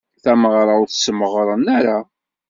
Tamaɣra ur tt-smaɣren ara.